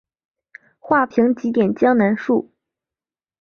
画屏几点江南树。